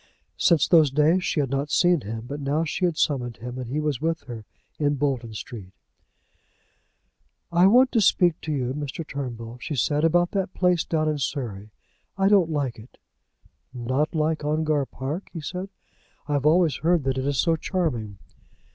Since those days she had not seen him, but now she had summoned him, and he was with her in Bolton Street. "I want to speak to you, Mr. Turnbull," she said, "about that place down in Surrey. I don't like it." "Not like Ongar Park?" he said. "I have always heard that it is so charming."